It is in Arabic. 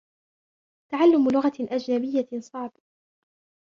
تعلم لغة أجنبية صعب.